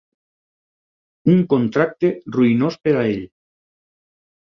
Un contracte ruïnós per a ell.